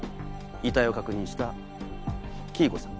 遺体を確認した黄以子さん。